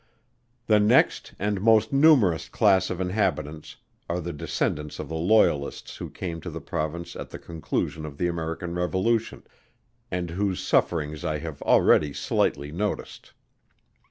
The next and most numerous class of inhabitants are the descendants of the Loyalists who came to the Province at the conclusion of the American revolution, and whose sufferings I have already slightly noticed.